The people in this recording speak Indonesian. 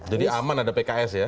jadi aman ada pks ya